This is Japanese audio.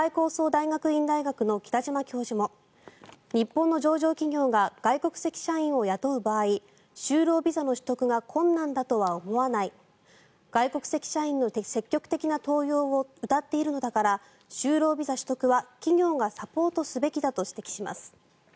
大学院大学の北島教授も日本の上場企業が外国籍社員を雇う場合就労ビザの取得が困難だとは思わない外国籍社員の積極的な登用をうたっているのだから就労ビザ取得は企業がサポートすべきだと指摘します。